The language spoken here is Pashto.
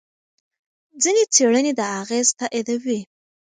ځینې څېړنې دا اغېز تاییدوي.